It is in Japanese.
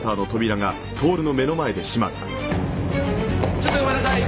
ちょっとごめんなさい！